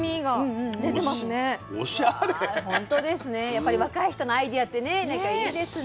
やっぱり若い人のアイデアってねなんかいいですね。